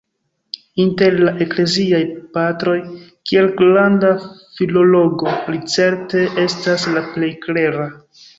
Inter la Ekleziaj Patroj, kiel granda filologo, li certe estas la plej klera.